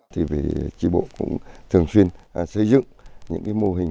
tri bộ cũng thường xuyên xây dựng